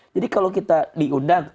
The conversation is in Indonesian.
jadi kalau kita diundang